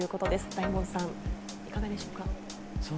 大門さん、いかがでしょうか？